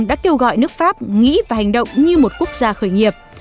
đã kêu gọi nước pháp nghĩ và hành động như một quốc gia khởi nghiệp